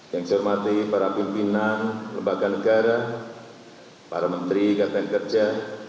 yang saya hormati para pimpinan lembaga negara para menteri kabinet kerja